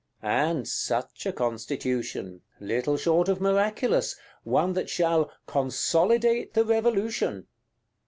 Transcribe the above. And such a Constitution; little short of miraculous: one that shall "consolidate the Revolution"!